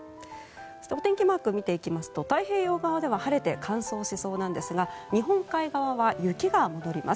お天気マーク見ていきますと太平洋側では晴れて乾燥しそうなんですが日本海側は雪が戻ります。